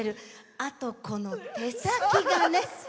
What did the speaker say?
あと、この手先がね。